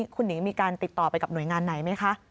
คุณหนิงมีการติดต่อไปกับหน่วยงานไหนไหมคะ